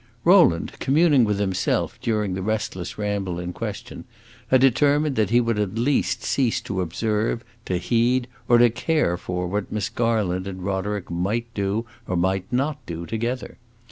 Rowland, communing with himself during the restless ramble in question, had determined that he would at least cease to observe, to heed, or to care for what Miss Garland and Roderick might do or might not do together.